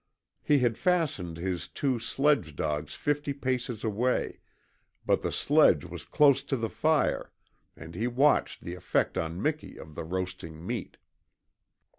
He had fastened his two sledge dogs fifty paces away, but the sledge was close to the fire, and he watched the effect on Miki of the roasting meat.